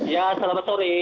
ya selamat sore